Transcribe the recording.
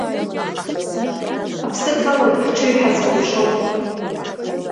Аԥсы ҭалоит ҳҽыҩ ҳазкәыхшоу!